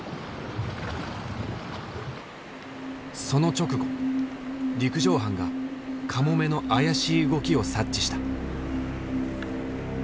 その直後陸上班がカモメの怪しい動きを察知した。